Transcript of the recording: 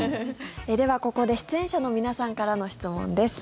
では、ここで出演者の皆さんからの質問です。